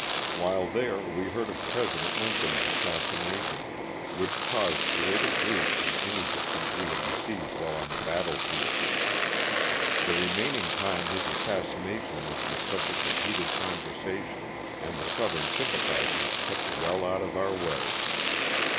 While there we heard of President Lincoln's assassination, which caused greater grief than any defeat we had received while on the battlefield. The remaining time his assassination was the subject of heated conversation, and the southern sympathizers kept well out of our way.